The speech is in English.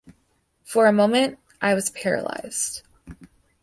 For a moment I was paralysed.